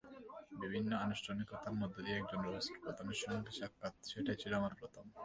বিভিন্ন আনুষ্ঠানিকতার মধ্য দিয়ে একজন রাষ্ট্রপ্রধানের সঙ্গে সাক্ষাত্—সেটাই ছিল আমার প্রথম।